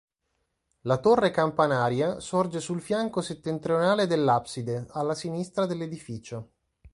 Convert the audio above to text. La Torre campanaria sorge sul fianco settentrionale dell’abside, alla sinistra dell'edificio.